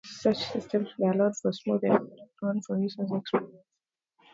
Such systems may allow for smooth and error-prone user experience.